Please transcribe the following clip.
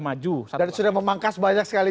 maju dan sudah memangkas banyak sekali